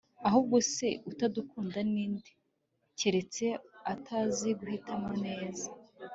ahubwo se utagukunda ninde, keretse atazi guhitamo neza